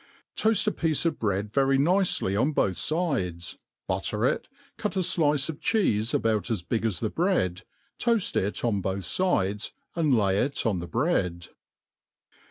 TOAST a piece of bread ipery njceiy on both fides, butte/ it, cut a flice of cheefe about as big as the bread» toaft it oft both fidcsj and lay it on the bread.